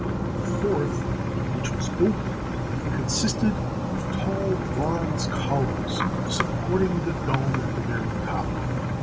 The fourth, which was open, consisted of tall bronze columns sup porting the dome at the very top.